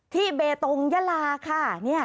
ที่เบตงยลาค่ะ